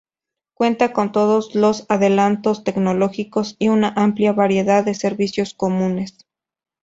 Cuenta con todos los adelantos tecnológicos, y una amplia variedad de servicios comunes.